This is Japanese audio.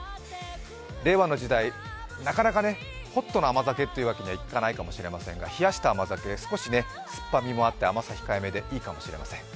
令和の時代、なかなかね、ホットな甘酒というわけにはいかないかもしれませんが冷やした甘酒、少しすっぱみもあって甘さ控えめでいいかもしれません。